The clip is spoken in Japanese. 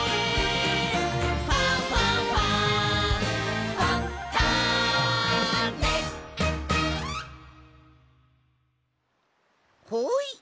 「ファンファンファン」ほい！